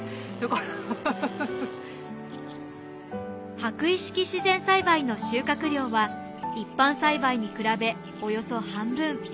はくい式自然栽培の収穫量は一般栽培に比べおよそ半分。